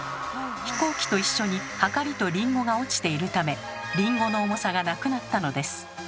飛行機と一緒にはかりとリンゴが落ちているためリンゴの重さがなくなったのです。